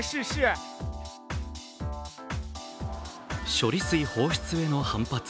処理水放出への反発。